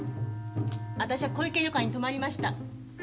私は古池旅館に泊まりました。